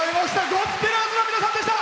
ゴスペラーズの皆さんでした。